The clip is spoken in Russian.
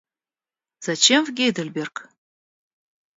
Зачем в Гейдельберг?